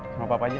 gak apa apa aja